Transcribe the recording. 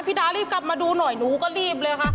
ดารีบกลับมาดูหน่อยหนูก็รีบเลยค่ะ